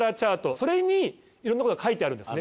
それにいろいろなことが書いてあるんですね。